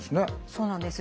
そうなんです。